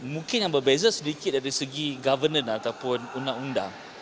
mungkin yang berbeza sedikit dari segi governance ataupun undang undang